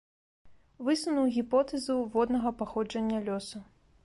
Высунуў гіпотэзу воднага паходжання лёсу.